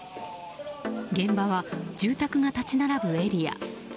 現場は住宅が立ち並ぶエリア。